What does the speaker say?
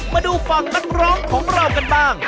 มาดูฝั่งนักร้องของเรากันบ้าง